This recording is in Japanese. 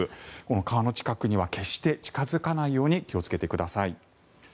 川の近くには決して近付かないように気をつけてください。